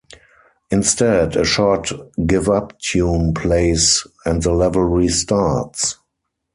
Instead, a short "give up" tune plays and the level restarts.